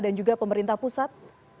dan juga pemerintah pusat